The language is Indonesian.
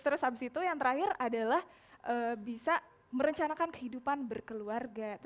terus habis itu yang terakhir adalah bisa merencanakan kehidupan berkeluarga